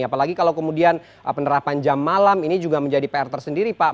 apalagi kalau kemudian penerapan jam malam ini juga menjadi pr tersendiri pak